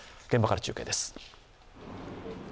現場から中継です。